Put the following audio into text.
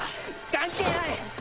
関係ない！